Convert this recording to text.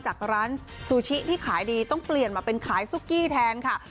จากร้านซูชิที่ขายดีต้องเปลี่ยนมาเป็นขายซุกี้แทนค่ะ